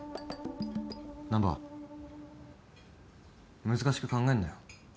難破難しく考えんなよ。